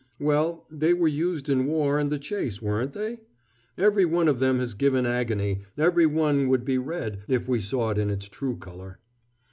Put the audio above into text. "Well, they were used in war and the chase, weren't they? Every one of them has given agony, every one would be red, if we saw it in its true color."